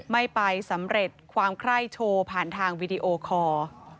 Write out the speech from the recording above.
ไม่ไปสำเร็จความไคร้โชว์ผ่านทางวีดีโอคอร์